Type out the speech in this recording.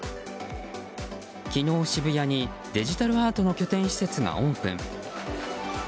昨日、渋谷にデジタルアートの拠点施設がオープン。